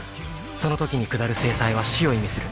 その時に下る制裁は死を意味する。